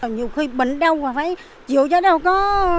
nhiều khi bệnh đau mà phải chịu cho đâu có